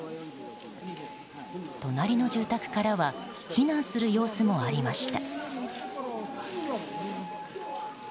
隣の住宅からは避難する様子もありました。